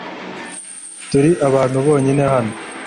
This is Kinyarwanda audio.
Turi abantu bonyine hano